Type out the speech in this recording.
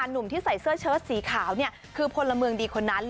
จริงทีใส่เสื้อเชิ้ตสีขาวเนี่ยคือพลเมืองดีคนนั้น